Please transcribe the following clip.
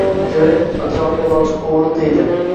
Tevarak-atrofga Lochin o‘g‘ri deydi